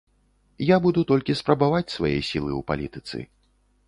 Я буду толькі спрабаваць свае сілы ў палітыцы.